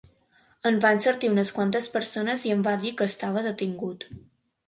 En van sortir unes quantes persones i em van dir que estava detingut.